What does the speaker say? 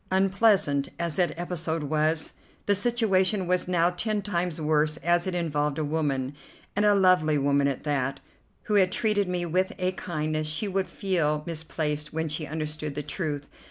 Unpleasant as that episode was, the situation was now ten times worse, as it involved a woman, and a lovely woman at that, who had treated me with a kindness she would feel misplaced when she understood the truth.